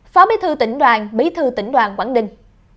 phó bí thư tỉnh đoàn bí thư tỉnh đoàn quảng ninh